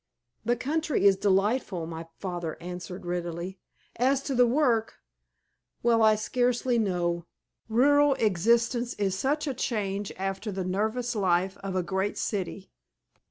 "The country is delightful," my father answered readily. "As to the work well, I scarcely know. Rural existence is such a change after the nervous life of a great city."